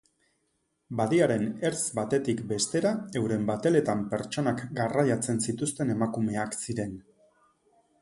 Badiaren ertz batetik bestera euren bateletan pertsonak garraiatzen zituzten emakumeak ziren.